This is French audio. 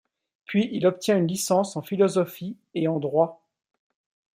Puis il obtient une licence en philosophie et en droit.